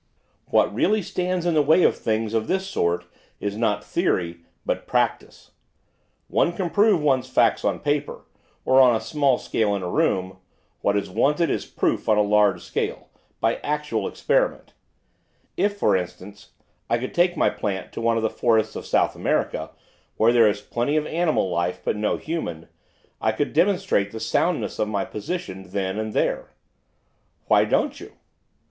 'What really stands in the way of things of this sort is not theory but practice, one can prove one's facts on paper, or on a small scale in a room; what is wanted is proof on a large scale, by actual experiment. If, for instance, I could take my plant to one of the forests of South America, where there is plenty of animal life but no human, I could demonstrate the soundness of my position then and there.' 'Why don't you?